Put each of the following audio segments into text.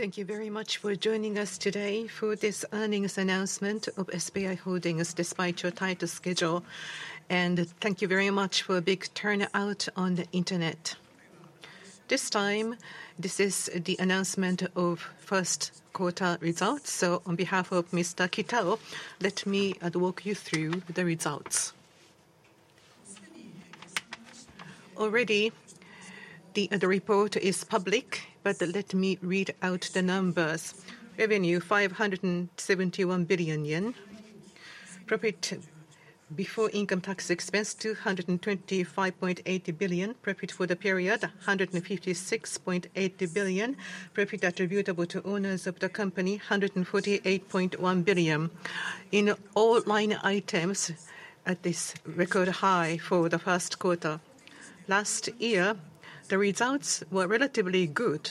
Thank you very much for joining us today for this earnings announcement of SBI Holdings, despite your tight schedule. Thank you very much for a big turnout on the internet. This time, this is the announcement of first quarter results. On behalf of Mr. Kitao, let me walk you through the results. Already, the report is public, but let me read out the numbers. Revenue, 571 billion yen. Profit before income tax expense, 225.80 billion. Profit for the period, 156.80 billion. Profit attributable to owners of the company, 148.10 billion. In all line items, at this record high for the first quarter. Last year, the results were relatively good,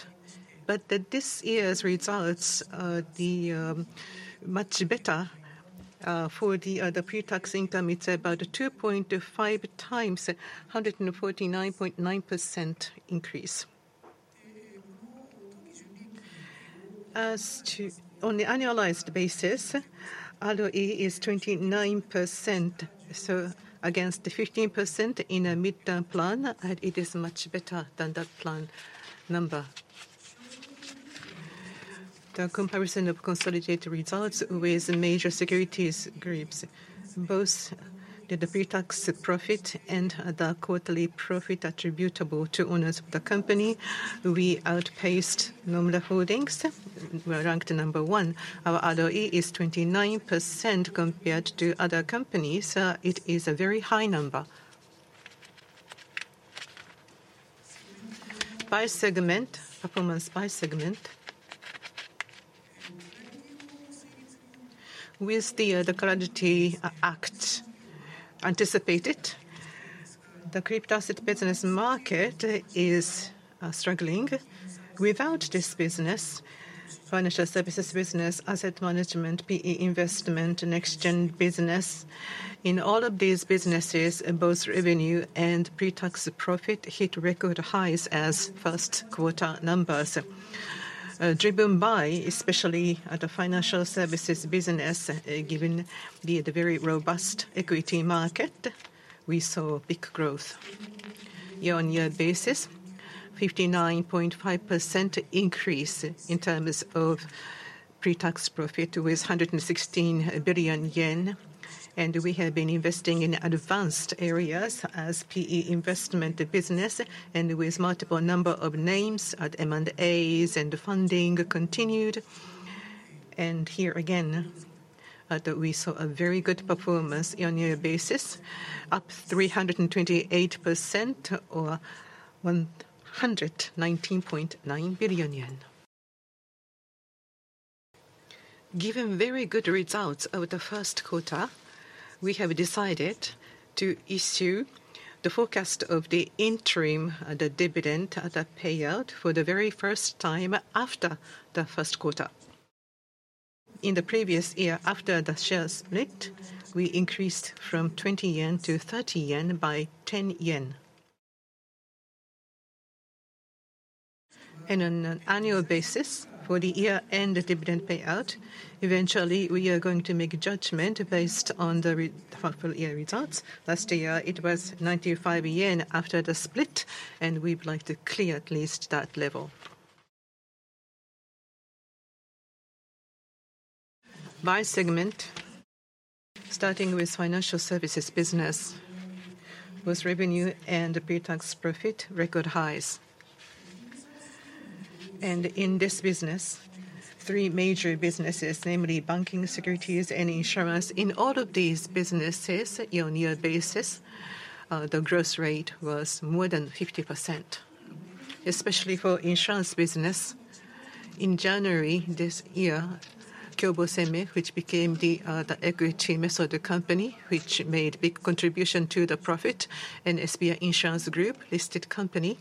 but this year's results are much better. For the pre-tax income, it's about 2.5x, 149.9% increase. On the annualized basis, ROE is 29%, against the 15% in our midterm plan. It is much better than that plan number. The comparison of consolidated results with major securities groups. Both the pre-tax profit and the quarterly profit attributable to owners of the company, we outpaced Nomura Holdings. We're ranked number one. Our ROE is 29% compared to other companies. It is a very high number. Performance by segment. With the CLARITY Act anticipated, the crypto asset business market is struggling. Without this business, financial services business, asset management, PE investment, Next Gen business, in all of these businesses, both revenue and pre-tax profit hit record highs as first quarter numbers. Driven by especially the financial services business, given the very robust equity market, we saw big growth. Year-on-year basis, 59.5% increase in terms of pre-tax profit with 116 billion yen. We have been investing in advanced areas as PE investment business and with multiple number of names at M&As and funding continued. Here again, we saw a very good performance year-on-year basis. Up 328% or JPY 119.9 billion. Given very good results over the first quarter, we have decided to issue the forecast of the interim, the dividend, the payout for the very first time after the first quarter. In the previous year, after the shares split, we increased from 20-30 yen by 10 yen. In an annual basis for the year-end dividend payout, eventually, we are going to make a judgment based on the full year results. Last year, it was 95 yen after the split, and we'd like to clear at least that level. By segment, starting with financial services business, was revenue and pre-tax profit record highs. In this business, three major businesses, namely banking, securities, and insurance. In all of these businesses, year-on-year basis, the growth rate was more than 50%, especially for insurance business. In January this year, Kyobo Seimei, which became the equity method company, which made big contribution to the profit, and SBI Insurance Group, listed company,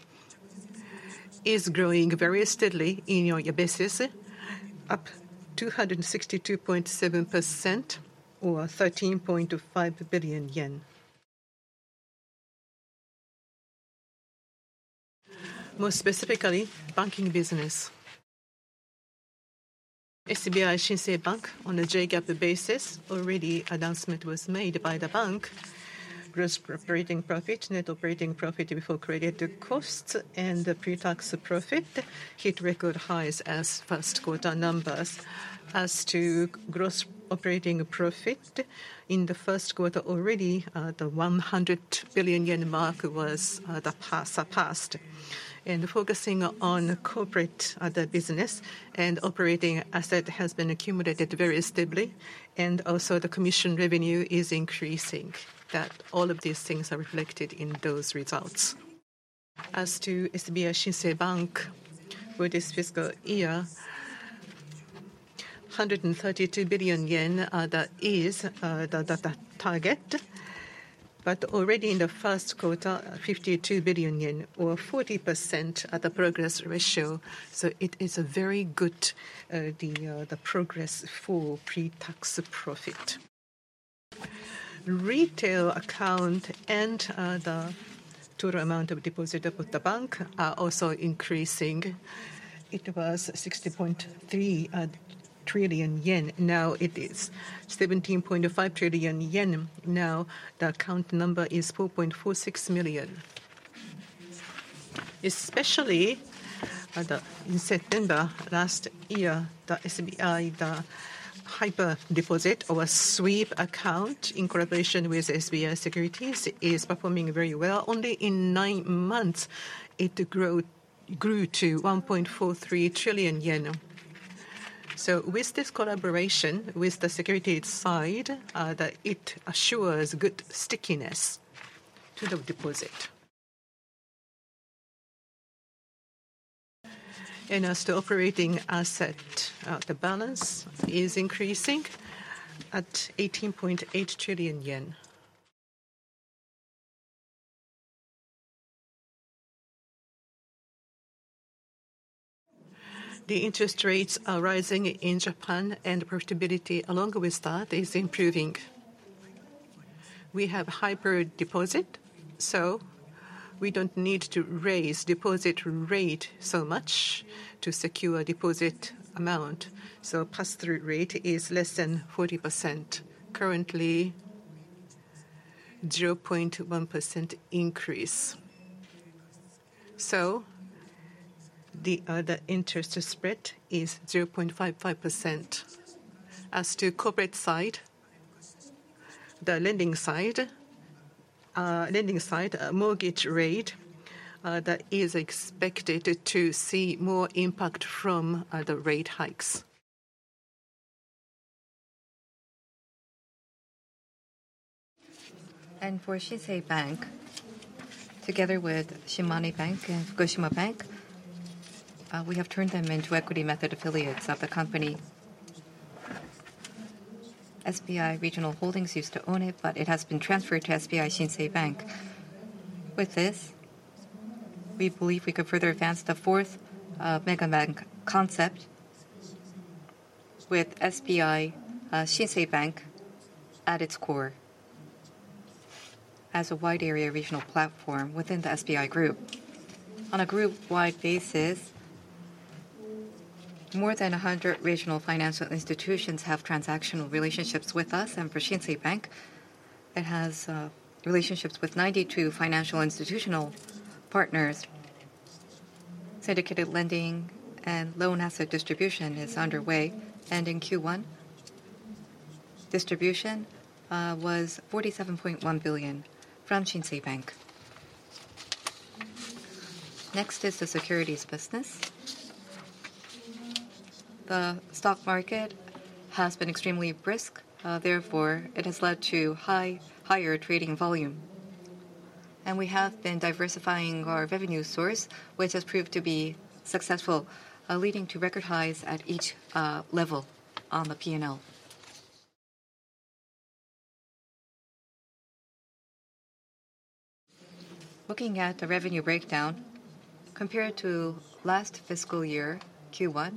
is growing very steadily in year-on-year basis. Up 262.7% or JPY 13.5 billion. More specifically, banking business. SBI Shinsei Bank on a JGAAP basis, already announcement was made by the bank. Gross operating profit, net operating profit before credit costs, and pre-tax profit hit record highs as first quarter numbers. As to gross operating profit, in the first quarter already, the 100 billion yen mark was surpassed. Focusing on corporate business and operating asset has been accumulated very stably, and also the commission revenue is increasing. All of these things are reflected in those results. As to SBI Shinsei Bank for this fiscal year, 132 billion yen, that is the target. Already in the first quarter, 52 billion yen or 40% at the progress ratio. It is a very good progress for pre-tax profit. Retail account and the total amount of deposit with the bank are also increasing. It was 60.3 trillion yen. Now it is 17.5 trillion yen. Now, the account number is 4.46 million. Especially in September last year, SBI Hyper Deposit or sweep account in collaboration with SBI Securities, is performing very well. Only in nine months, it grew to 1.43 trillion yen. With this collaboration with the securities side, it assures good stickiness to the deposit. As to operating asset, the balance is increasing at 18.8 trillion yen. The interest rates are rising in Japan and profitability along with that is improving. We have Hyper Deposit, so we don't need to raise deposit rate so much to secure deposit amount. Pass-through rate is less than 40%. Currently, 0.1% increase. The other interest spread is 0.55%. As to corporate side, the lending side mortgage rate, that is expected to see more impact from the rate hikes. For Shinsei Bank, together with The Shimane Bank, Ltd and The Fukushima Bank, Ltd, we have turned them into equity method affiliates of the company. SBI Regional Bank Holdings Co, Ltd used to own it, but it has been transferred to SBI Shinsei Bank. With this, we believe we could further advance the fourth megabank concept with SBI Shinsei Bank at its core as a wide area regional platform within the SBI Group. On a group-wide basis, more than 100 regional financial institutions have transactional relationships with us and for Shinsei Bank, it has relationships with 92 financial institutional partners. Syndicated lending and loan asset distribution is underway, and in Q1, distribution was 47.1 billion from Shinsei Bank. Next is the securities business. The stock market has been extremely brisk, therefore it has led to higher trading volume. We have been diversifying our revenue source, which has proved to be successful, leading to record highs at each level on the P&L. Looking at the revenue breakdown, compared to last fiscal year, Q1,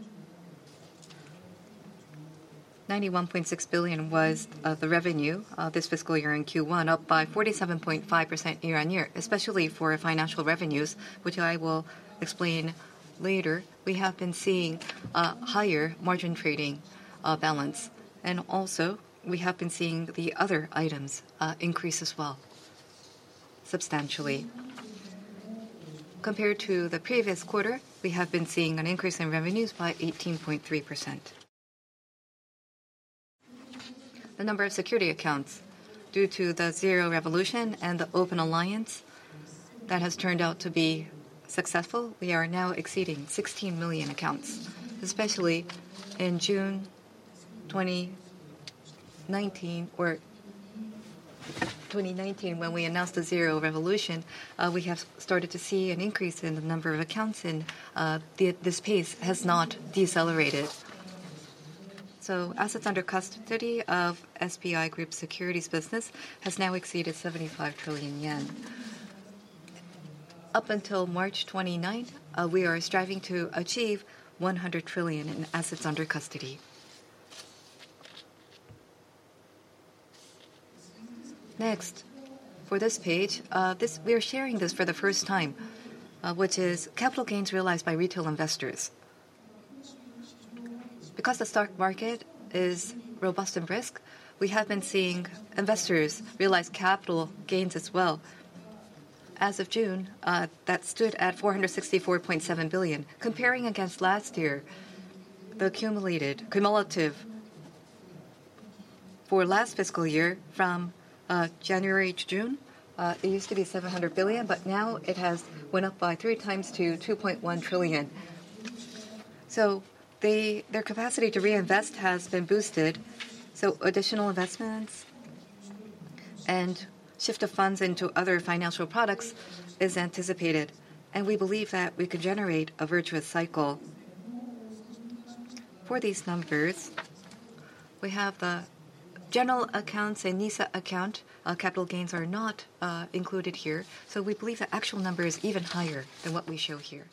91.6 billion was the revenue this fiscal year in Q1, up by 47.5% year-on-year, especially for financial revenues, which I will explain later. We have been seeing higher margin trading balance. Also, we have been seeing the other items increase as well, substantially. Compared to the previous quarter, we have been seeing an increase in revenues by 18.3%. The number of security accounts due to the ZERO Revolution and the Open Alliance, that has turned out to be successful. We are now exceeding 16 million accounts. Especially in June 2019, when we announced the ZERO Revolution, we have started to see an increase in the number of accounts and this pace has not decelerated. Assets under custody of SBI Group securities business has now exceeded 75 trillion yen. Up until March 29th, we are striving to achieve 100 trillion in assets under custody. For this page, we are sharing this for the first time, which is capital gains realized by retail investors. Because the stock market is robust and brisk, we have been seeing investors realize capital gains as well. As of June, that stood at 464.7 billion. Comparing against last year, the cumulative for last fiscal year from January to June, it used to be 700 billion, but now it has went up by 3x to 2.1 trillion. Their capacity to reinvest has been boosted, additional investments and shift of funds into other financial products is anticipated, and we believe that we could generate a virtuous cycle. For these numbers, we have the general accounts and NISA account capital gains are not included here. We believe the actual number is even higher than what we show here.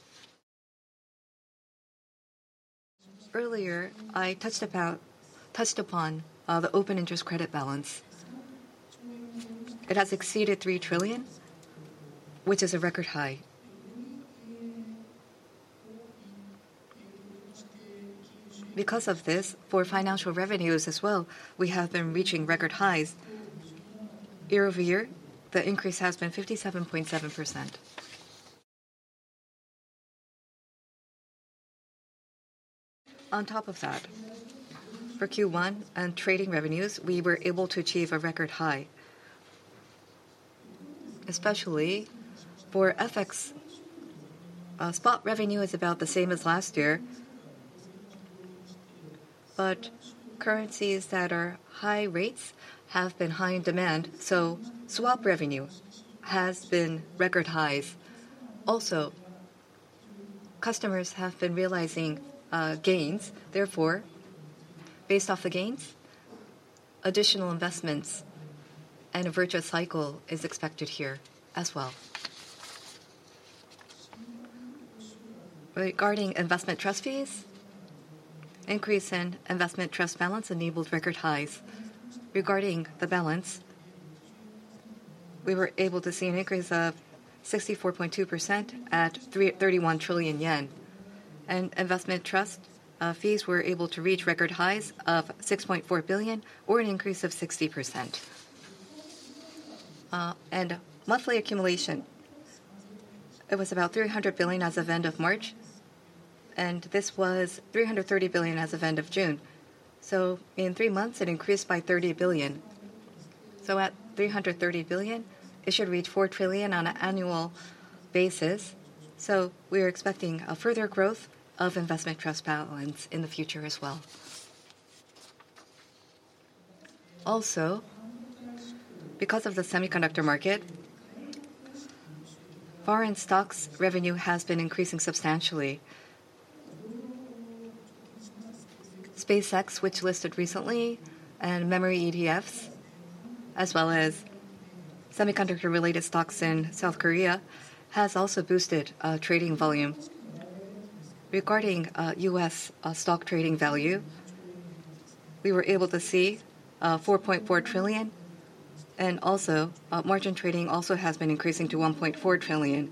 Earlier, I touched upon the open interest credit balance. It has exceeded 3 trillion, which is a record high. Because of this, for financial revenues as well, we have been reaching record highs. Year-over-year, the increase has been 57.7%. On top of that, for Q1 and trading revenues, we were able to achieve a record high. Especially for FX, spot revenue is about the same as last year, but currencies that are high rates have been high in demand, swap revenue has been record highs. Customers have been realizing gains. Based off the gains, additional investments and a virtuous cycle is expected here as well. Regarding investment trust fees, increase in investment trust balance enabled record highs. Regarding the balance, we were able to see an increase of 64.2% at 31 trillion yen. Investment trust fees were able to reach record highs of 6.4 billion, or an increase of 60%. Monthly accumulation, it was about 300 billion as of end of March, and this was 330 billion as of end of June. In three months, it increased by 30 billion. At 330 billion, it should reach 4 trillion on an annual basis. We are expecting a further growth of investment trust balance in the future as well. Because of the semiconductor market, foreign stocks revenue has been increasing substantially. SpaceX, which listed recently, and memory ETFs, as well as semiconductor-related stocks in South Korea, has also boosted trading volume. U.S. stock trading value, we were able to see 4.4 trillion and also margin trading also has been increasing to 1.4 trillion.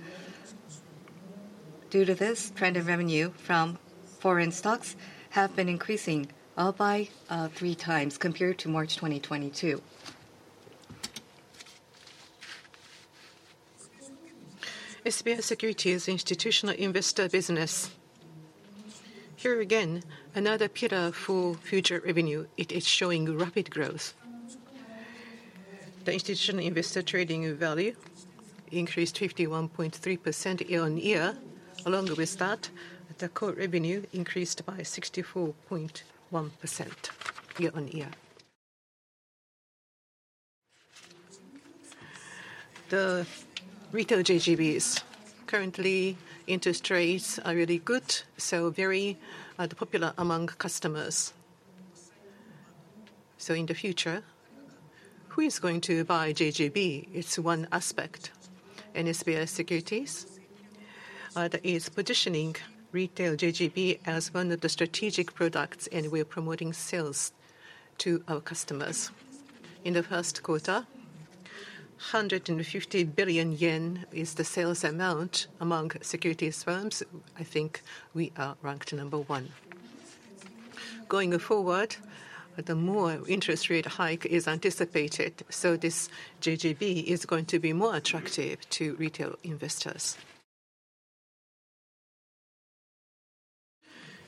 Due to this trend of revenue from foreign stocks have been increasing up by 3x compared to March 2022. SBI Securities' institutional investor business. Here again, another pillar for future revenue. It is showing rapid growth. The institutional investor trading value increased 51.3% year-on-year. Along with that, the core revenue increased by 64.1% year-on-year. The retail JGBs. Currently, interest rates are really good, so very popular among customers. In the future, who is going to buy JGB? It's one aspect. In SBI Securities, that is positioning retail JGB as one of the strategic products, and we are promoting sales to our customers. In the first quarter, 150 billion yen is the sales amount among securities firms. I think we are ranked number one. Going forward, the more interest rate hike is anticipated, so this JGB is going to be more attractive to retail investors.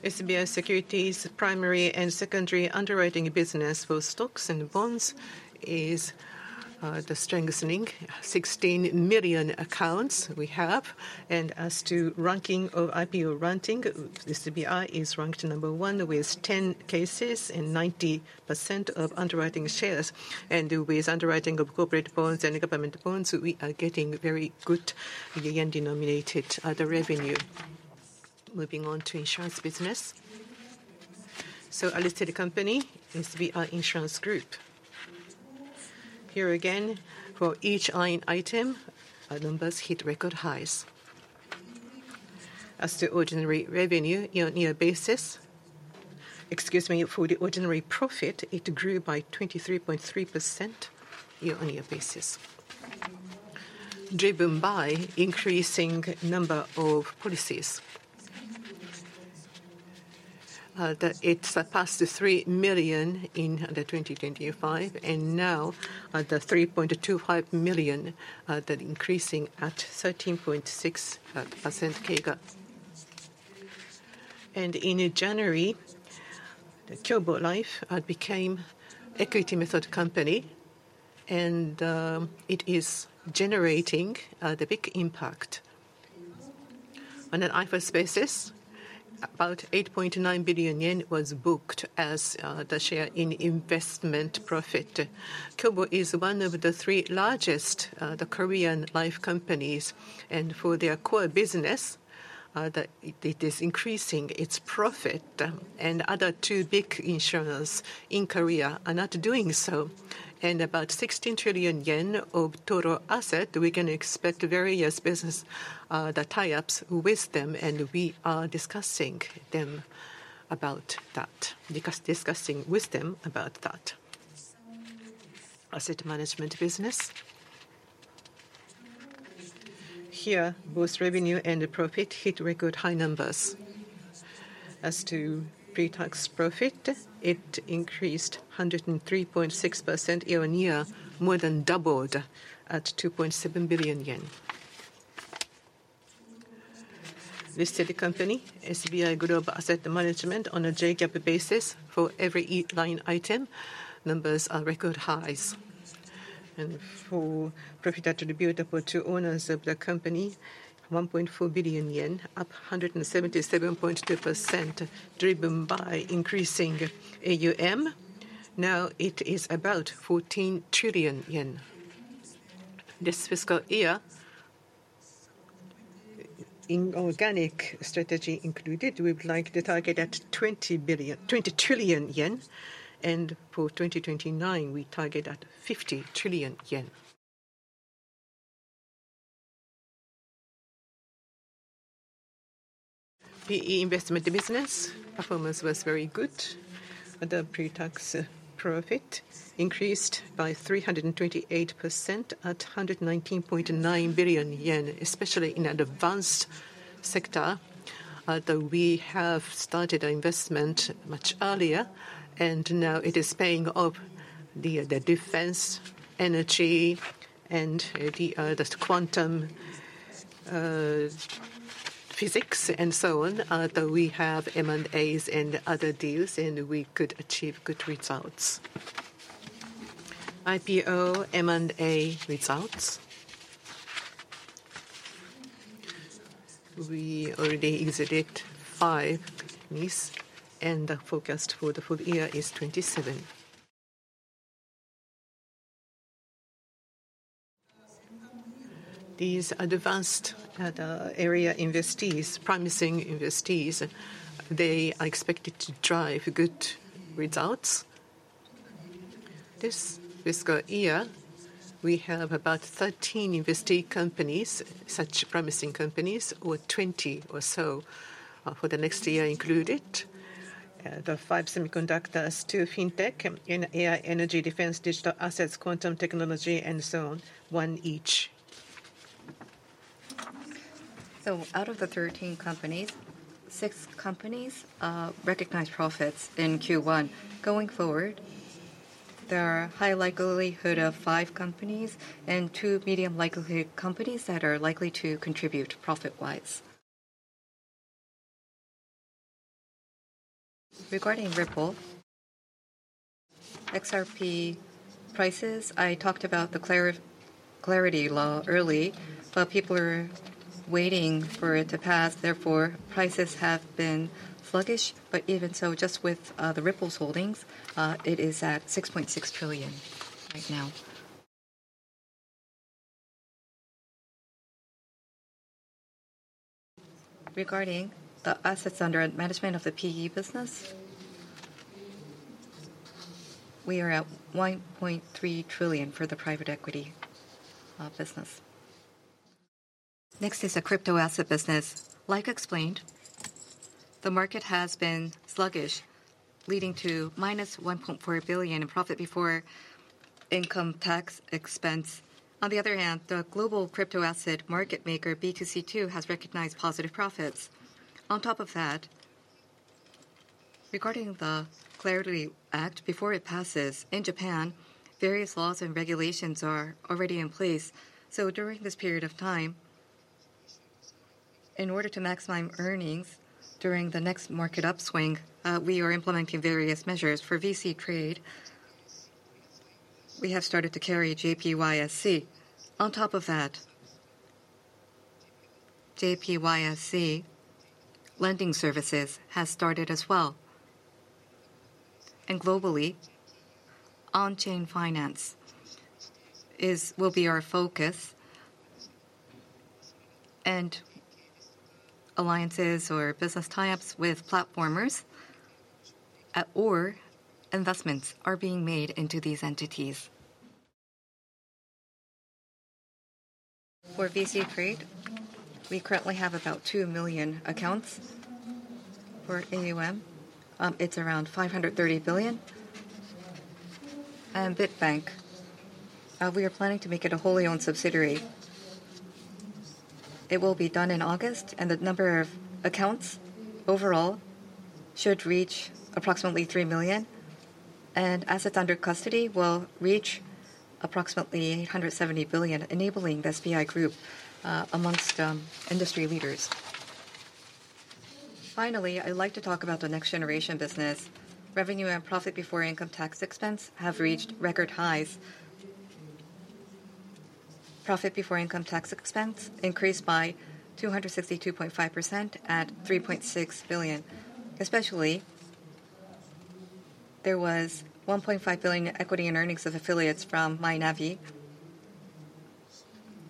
SBI Securities' primary and secondary underwriting business for stocks and bonds is the strengthening 16 million accounts we have. As to ranking of IPO ranking, SBI is ranked number one with 10 cases and 90% of underwriting shares. With underwriting of corporate bonds and government bonds, we are getting very good JPY-denominated revenue. Moving on to insurance business. Unlisted company, SBI Insurance Group. Here again, for each line item, our numbers hit record highs. As to ordinary revenue, for the ordinary profit, it grew by 23.3% year-on-year basis, driven by increasing number of policies. It surpassed 3 million in 2025, and now 3.25 million that increasing at 13.6% CAGR. In January, Kyobo Life became equity method company, and it is generating the big impact. On an IFRS basis, about 8.9 billion yen was booked as the share in investment profit. Kyobo is one of the three largest Korean life companies, and for their core business, it is increasing its profit, and other two big insurers in Korea are not doing so. About 16 trillion yen of total asset, we can expect various business, the tie-ups with them, and we are discussing with them about that. Asset management business. Here, both revenue and profit hit record high numbers. As to pre-tax profit, it increased 103.6% year-on-year, more than doubled at 2.7 billion yen. Listed company, SBI Global Asset Management on a JGAAP basis, for every line item, numbers are record highs. For profit attributed to owners of the company, 1.4 billion yen, up 177.2%, driven by increasing AUM. Now it is about 14 trillion yen. This fiscal year, in organic strategy included, we would like to target 20 trillion yen. For 2029, we target 50 trillion yen. PE investment business performance was very good, pre-tax profit increased by 328% at 119.9 billion yen, especially in advanced sector, although we have started our investment much earlier and now it is paying off. The defense, energy, and the quantum physics and so on. We have M&As and other deals, and we could achieve good results. IPO M&A results. We already exited five and the forecast for the full year is 27. These advanced area investees, promising investees, they are expected to drive good results. This fiscal year, we have about 13 investee companies, such promising companies, or 20 or so for the next year included. The five semiconductors, two fintech, and AI energy defense, digital assets, quantum technology and so on, one each. Out of the 13 companies, six companies recognized profits in Q1. Going forward, there are high likelihood of five companies and two medium likelihood companies that are likely to contribute profit-wise. Regarding Ripple, XRP prices, I talked about the CLARITY Act early, people are waiting for it to pass, therefore prices have been sluggish. Even so, just with the Ripple's holdings, it is at 6.6 trillion right now. Regarding the assets under management of the PE business, we are at 1.3 trillion for the private equity business. Next is the crypto asset business. As explained, the market has been sluggish, leading to minus 1.4 billion in profit before income tax expense. On the other hand, the global crypto asset market maker B2C2 has recognized positive profits. Regarding the CLARITY Act, before it passes in Japan, various laws and regulations are already in place. During this period of time, in order to maximize earnings during the next market upswing, we are implementing various measures. For VC Trade, we have started to carry JPYSC. On top of that, JPYSC lending services has started as well. Globally, On-chain finance will be our focus, and alliances or business tie-ups with platformers or investments are being made into these entities. For VC Trade, we currently have about 2 million accounts. For AUM, it's around 530 billion. Bitbank, we are planning to make it a wholly owned subsidiary. It will be done in August, and the number of accounts overall should reach approximately 3 million, and assets under custody will reach approximately 170 billion, enabling the SBI Group amongst industry leaders. Finally, I'd like to talk about the next generation business. Revenue and profit before income tax expense have reached record highs. Profit before income tax expense increased by 262.5% at 3.6 billion. Especially, there was 1.5 billion equity in earnings of affiliates from Mynavi.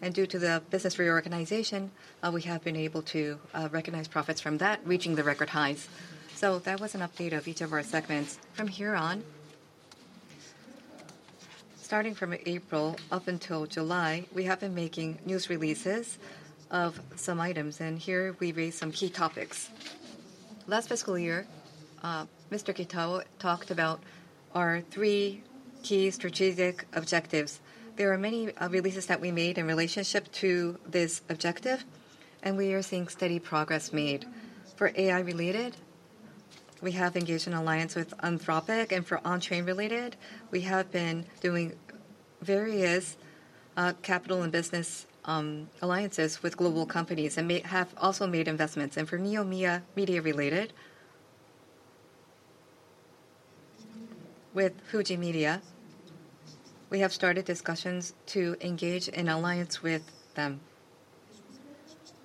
Due to the business reorganization, we have been able to recognize profits from that, reaching the record highs. That was an update of each of our segments. From here on, starting from April up until July, we have been making news releases of some items, and here we raise some key topics. Last fiscal year, Mr. Kitao talked about our three key strategic objectives. There are many releases that we made in relationship to this objective, and we are seeing steady progress made. For AI related, we have engaged an alliance with Anthropic, and for On-chain related, we have been doing various capital and business alliances with global companies and have also made investments. For Neo Media related, with Fuji Media, we have started discussions to engage an alliance with them.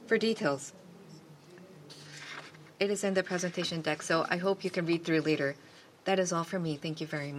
For details, it is in the presentation deck, I hope you can read through later. That is all for me. Thank you very much.